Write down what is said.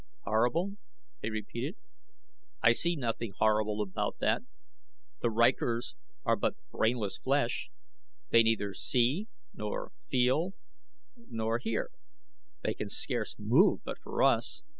"Horrible?" he repeated. "I see nothing horrible about that. The rykors are but brainless flesh. They neither see, nor feel, nor hear. They can scarce move but for us.